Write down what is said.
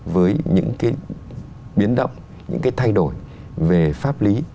với những cái biến động những cái thay đổi về pháp lý